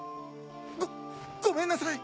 ごごめんなさい！